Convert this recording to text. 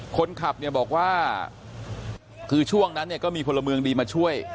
คนขับเนี่ยบอกว่าคือช่วงนั้นเนี่ยก็มีพลเมืองดีมาช่วย